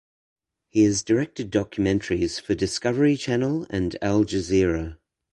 He has directed documentaries for Discovery Channel and Al Jazeera.